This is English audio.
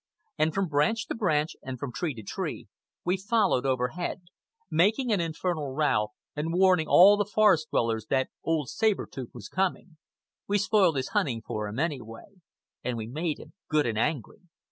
And from branch to branch, and from tree to tree, we followed overhead, making an infernal row and warning all the forest dwellers that old Saber Tooth was coming. We spoiled his hunting for him, anyway. And we made him good and angry.